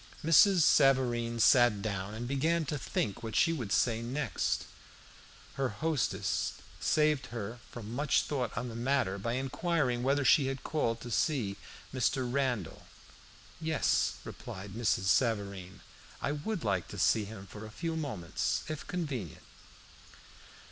Mrs. Savareen sat down, and began to think what she would say next. Her hostess saved her from much thought on the matter by enquiring whether she had called to see Mr. Randall. "Yes," replied Mrs. Savareen, "I would like to see him for a few moments, if convenient."